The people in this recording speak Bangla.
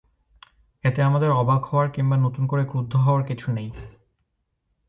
এতে আমাদের অবাক হওয়ার কিংবা নতুন করে ক্রুদ্ধ হওয়ার কিছু নেই।